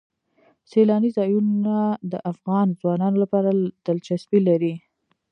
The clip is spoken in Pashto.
سیلانی ځایونه د افغان ځوانانو لپاره دلچسپي لري.